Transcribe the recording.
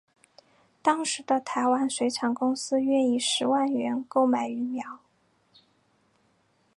当时的台湾水产公司愿以十万元购买鱼苗。